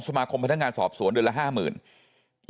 สมาคมพันธการสอบส่วนเดือนละ๕๐๐๐๐